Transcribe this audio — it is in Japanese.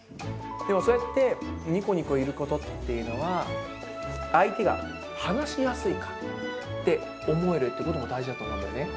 でもそうやって、にこにこいることっていうのは、相手が話しやすいからって思えるってことも大事だと思うんだよね。